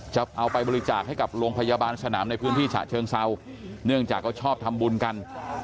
จะเอาไปบริจาคให้กับโรงพยาบาลสนามในพื้นที่ฉะเชิงเซาเนื่องจากก็ชอบทำบุญกัน